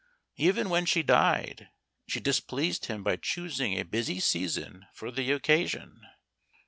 Even when she died she displeased him by choosing a busy season for the occasion.